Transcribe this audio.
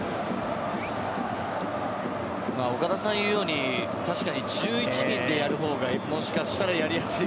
岡田さんが言うように確かに１１人でやるほうがもしかしたらやりやすい。